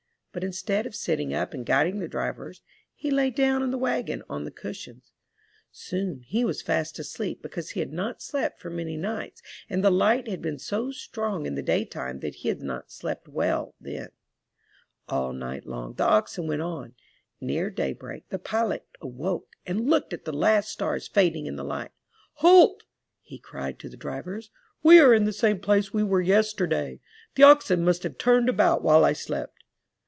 But instead of sitting up and guiding the drivers, he lay down in the wagon on the cushions. Soon he was fast asleep, because he had not slept for many nights, and the light had been so strong in the day time that he had not slept well then. All night long the oxen went on. Near daybreak, the pilot awoke and looked at the last stars fading in the light. "Halt!" he cried to the drivers. "We are in the same place where we were yesterday. The oxen must have turned about while I slept."